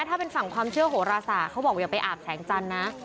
ถ้าเป็นฝั่งความเชื่อโหราศาสตร์เขาบอกอย่าไปอาบแสงจันทร์นะ